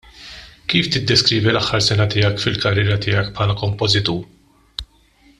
Kif tiddeskrivi l-aħħar sena tiegħek fil-karriera tiegħek bħala kompożitur?